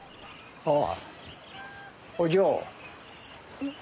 ああ。